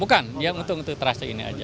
bukan untuk trase ini aja